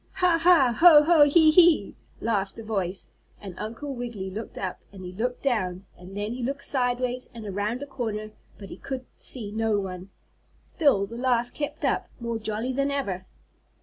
"Ha! Ha! Ho! Ho! He! He!" laughed the voice, and Uncle Wiggily looked up, and he looked down, and then he looked sideways and around a corner, but he could see no one. Still the laugh kept up, more jolly than ever.